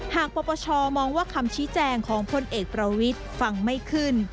ปปชมองว่าคำชี้แจงของพลเอกประวิทย์ฟังไม่ขึ้น